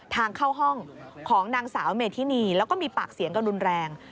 ทางเข้าห้องของนางสาวเมธินีแล้วก็มีปากเสียงกันรุนแรง